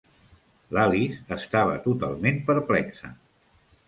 L'Alice estava totalment perplexa.